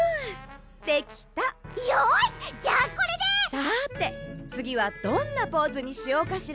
さてつぎはどんなポーズにしようかしら。